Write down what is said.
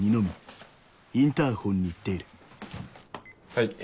はい。